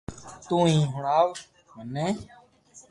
تو ھي ھڻاو مني